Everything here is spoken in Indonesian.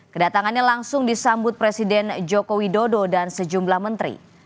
kedatangannya langsung disambut presiden joko widodo dan sejumlah menteri